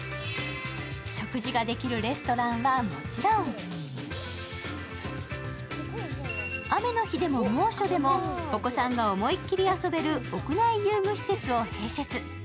食事ができるレストランはもちろん雨の日でも猛暑でもお子さんが思い切り遊べる屋内遊具施設を併設。